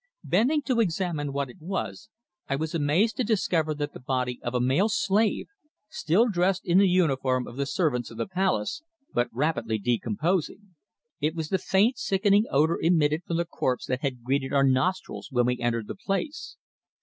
Bending to examine what it was, I was amazed to discover the body of a male slave, still dressed in the uniform of the servants of the palace, but rapidly decomposing. It was the faint sickening odour emitted from the corpse that had greeted our nostrils when we entered the place.